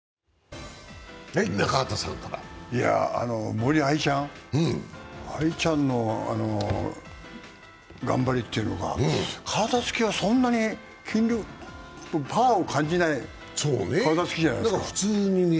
森秋彩ちゃんの頑張りというのが体つきはそんなにパワーを感じない体つきじゃないですか。